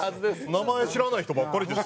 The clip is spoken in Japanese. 名前知らない人ばっかりです。